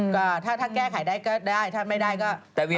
ก็ถ้าแก้ไขได้ก็ได้ถ้าไม่ได้ก็ตะเวน